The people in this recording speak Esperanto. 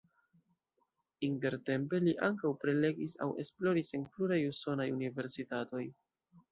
Intertempe li ankaŭ prelegis aŭ esploris en pluraj usonaj universitatoj.